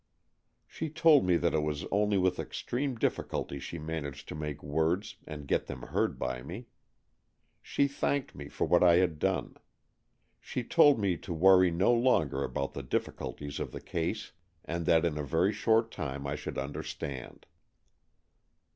She told me that it was only with extreme difficulty she managed to make words and get them heard by me. She thanked me for what I had done. She told me to worry no longer about the difficulties of the case, and that in a very short time I should under stand.